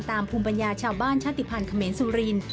ตามภูมิปัญญาชาวบ้านชาติพันธ์เคม้นซูลิน